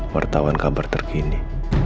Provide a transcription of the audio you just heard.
wartawan kabar terkini